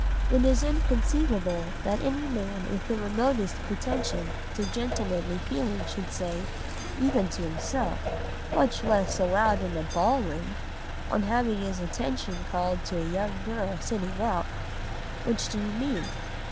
It is inconceivable that any man with the remotest pretension to gentlemanly feeling should say, even to himself, much less aloud in a ball room, on having his attention called to a young girl sitting out: "'Which do you mean?